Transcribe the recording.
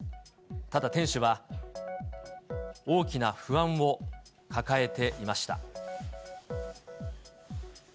ただ、店主は、大きな不安を抱えていました。